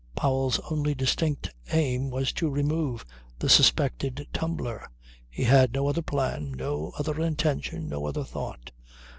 Powell's only distinct aim was to remove the suspected tumbler. He had no other plan, no other intention, no other thought.